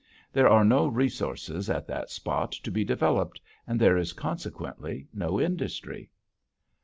There are no resources at that spot to be developed and there is consequently no industry.